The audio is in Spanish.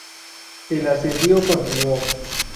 El asedio continuó.